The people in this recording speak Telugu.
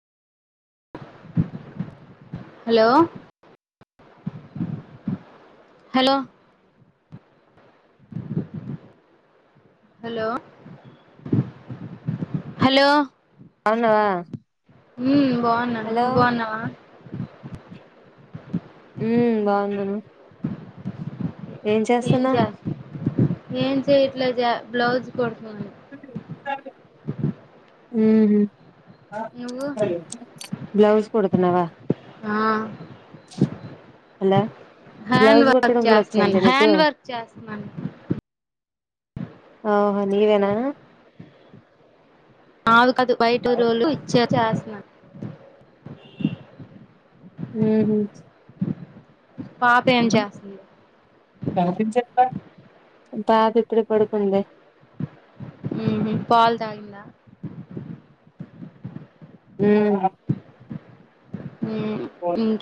హలో హలో హలో బాగుండవా హ్మ్ బాగున్నా నువ్వు బాగున్నవా ఉమ్ బాగుండాను ఏం చేస్తున్నా ఏం చేయట్లేద్ జ బ్లౌజ్ కొడ్ హు హుమ్ నువ్వు బ్లౌస్ కుడుతున్నవా ఆ హలో హ్యాండ్ బ్లౌజ్ వర్క్ కుట్టడం కూడా చేస్తున్నాను వచ్చాయించా నీకు హ్యాండ్ వర్క్ చేస్తున్నాను ఓహో నీవేనా ఆగు కాదు వైట్ రోలు వచ్ చేస్తున్న హు హ్మ్ పాప ఏం చేస్తుంది షాపింగ్ చెత్తా పాప్ ఇప్పుడే పడుకుంది హు హ్మ్ పాల్ తాగిందా హూ హా హ్మ్ ఇంక్